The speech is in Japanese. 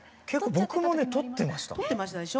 結構僕もね取ってました。